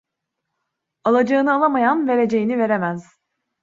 Alacağını alamayan, vereceğini veremez!